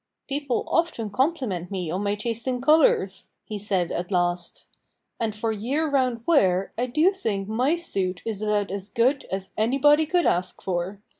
"People often compliment me on my taste in colors," he said at last. "And for year round wear I do think my suit is about as good as anybody could ask for.